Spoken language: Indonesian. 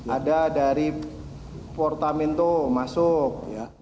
ada dari portamento masuk